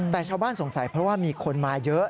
แต่ชาวบ้านสงสัยเพราะว่ามีคนมาเยอะ